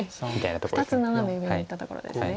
２つナナメ上にいったところですね。